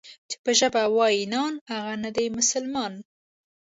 چې په ژبه وای نان، هغه نه دی مسلمان.